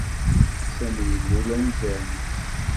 Sami yennul anzaren-is.